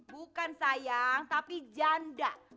bukan sayang tapi janda